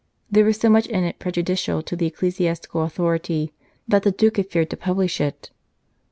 There was so much in it prejudicial to the ecclesiastical authority that the Duke had feared to publish it.